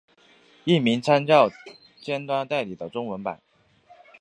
译名参照尖端代理的中文版。